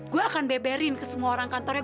gue akan beberin ke semua orang kantornya